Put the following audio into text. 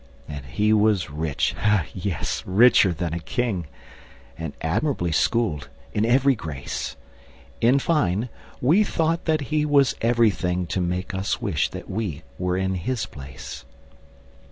And he was rich, yes, richer than a king, And admirably schooled in every grace: In fine, we thought that he was everything To make us wish that we were in his place.